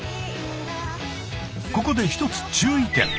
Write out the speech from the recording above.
ここで１つ注意点。